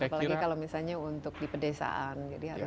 apalagi kalau misalnya untuk di pedesaan